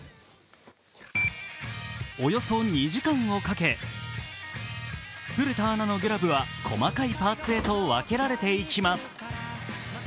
およそ２時間をかけ古田アナのグラブは細かいパーツへと分けられていきます。